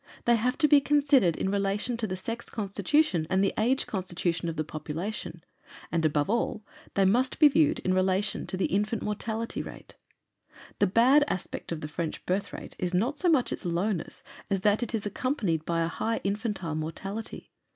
They have to be considered in relation to the sex constitution and the age constitution of the population, and ABOVE ALL, THEY MUST BE VIEWED IN RELATION TO THE INFANT MORTALITY RATE. "The bad aspect of the French birth rate is not so much its lowness as that it is accompanied by a high infantile mortality.